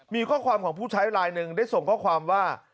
มีข้อความของผู้ใช้ลายหนึ่งได้ส่งข้อความว่า